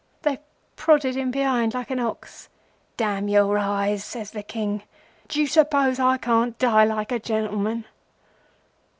They prodded him behind like an ox. 'Damn your eyes!' says the King. 'D'you suppose I can't die like a gentleman?